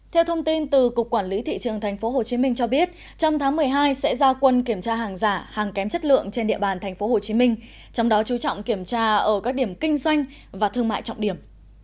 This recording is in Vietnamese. theo thông tin từ cục quản lý thị trường tp hcm cho biết trong tháng một mươi hai sẽ ra quân kiểm tra hàng giả hàng kém chất lượng trên địa bàn tp hcm trong đó chú trọng kiểm tra ở các điểm kinh doanh và thương mại trọng điểm